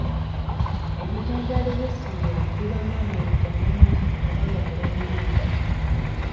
Ebijanjaalo by'essomero bibaamu amayinja mangi kubanga tebabironda.